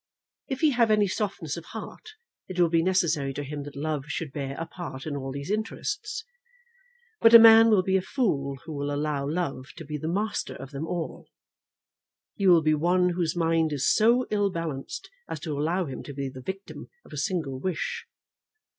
If he have any softness of heart, it will be necessary to him that love should bear a part in all these interests. But a man will be a fool who will allow love to be the master of them all. He will be one whose mind is so ill balanced as to allow him to be the victim of a single wish.